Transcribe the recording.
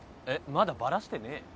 まだバラしてねえ？